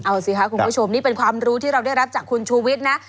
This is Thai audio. เอาสิคะคุณผู้ชมนี่เป็นความรู้ที่เราได้รับจากคุณชูวิทย์นะ